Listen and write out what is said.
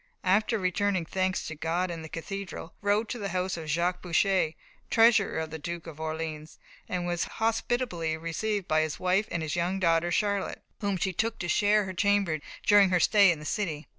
After returning thanks to God in the cathedral, she rode to the house of Jacques Boucher, treasurer to the Duke of Orleans, and was hospitably received by his wife and his young daughter Charlotte, whom she took to share her chamber during her stay in the city.